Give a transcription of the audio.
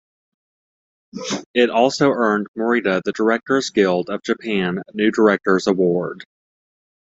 It also earned Morita the Directors Guild of Japan New Directors Award.